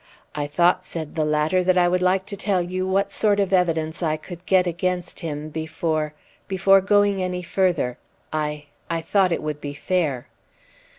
"I thought," said the latter, "that I would like to tell you what sort of evidence I could get against him before before going any further. I I thought it would be fair."